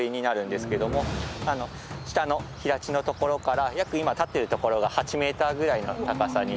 下の平地のところから約今立ってるところが８メーターぐらいの高さになります。